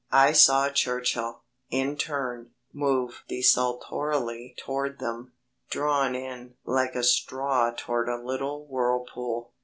I saw Churchill, in turn, move desultorily toward them, drawn in, like a straw toward a little whirlpool.